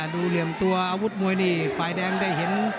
เหลี่ยมตัวอาวุธมวยนี่ฝ่ายแดงได้เห็น